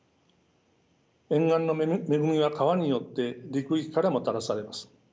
沿岸の恵みは川によって陸域からもたらされます。